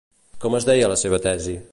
Com es deia la seva tesi?